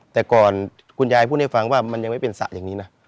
แต่ก่อนคุณยายพูดให้ฟังว่ามันยังไม่เป็นสระอย่างนี้นะ